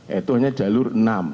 yaitu hanya jalur enam